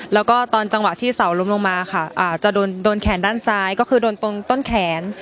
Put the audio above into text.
แล้วก็ตอนจังหวะที่เสาล้มลงมาค่ะจะโดนแขนด้านซ้ายก็คือโดนตรงต้นแขน